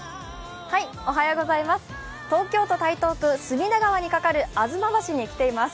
東京都台東区隅田川にかかる吾妻橋に来ています。